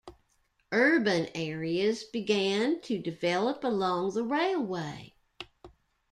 Urban areas began to develop along the railway.